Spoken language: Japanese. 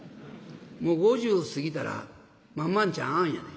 もう５０過ぎたら「まんまんちゃんあん」やで。